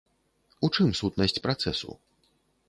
У чым сутнасць працэсу?